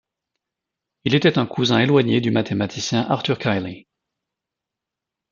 Il était un cousin éloigné du mathématicien Arthur Cayley.